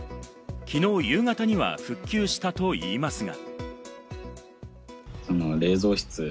きのう夕方には復旧したといいますが。